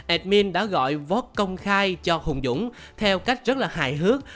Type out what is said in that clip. admin đã gọi vote công khai cho hùng dũng theo cách rất là hài hước